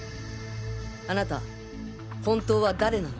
あなた本当は誰なの？